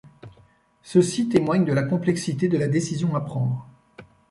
Ceci témoigne de la complexité de la décision à prendre.